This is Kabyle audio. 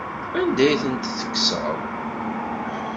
Anda ay tent-tekkseḍ?